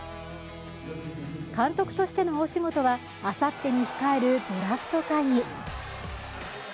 監督としての大仕事はあさってに控えるドラフト会議。